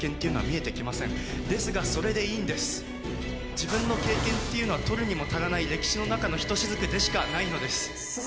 自分の経験っていうのは取るにも足らない歴史の中の一滴でしかないのです。